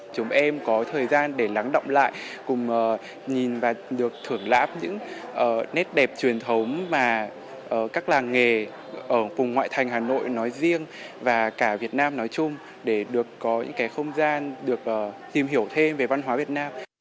chúng em có thời gian để lắng động lại cùng nhìn và được thưởng lãm những nét đẹp truyền thống mà các làng nghề ở vùng ngoại thành hà nội nói riêng và cả việt nam nói chung để được có những không gian được tìm hiểu thêm về văn hóa việt nam